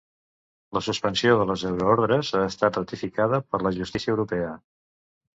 La suspensió de les euroordres ha estat ratificada per la justícia europea.